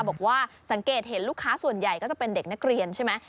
บอกว่าสังเกตเห็นลูกค้าส่วนใหญ่ก็จะเป็นเด็กนักเรียนใช่ไหม